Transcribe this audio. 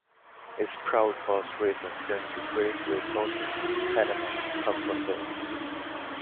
Is proud horse racing since the great racehorses of Panama come from there.